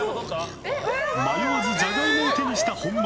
迷わずジャガイモを手にした本間。